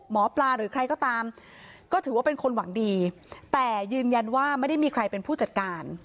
หมอปลาหรือใครก็ตามก็ถือว่าเป็นคนหวังดีแต่ยืนยันว่าไม่ได้มีใครเป็นผู้จัดการ